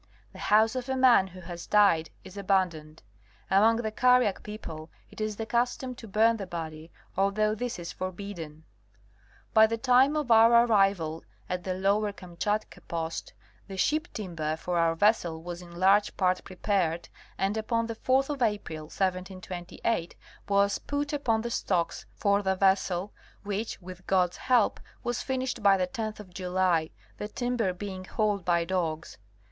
The house of a man who has died is abandoned. Among the Kariak people it is the custom to burn the body,.although this is forbidden. Review of Berings First Expedition, 1725 30. 141 By the time of our arrival at the Lower Kamchatka post the ship timber for our vessel was in large part prepared, and upon the 4th of April, 1728, was put upon the stocks for the vessel, which, with God's help, was finished by the 10th of July, the tim ° ber being hauled by dogs.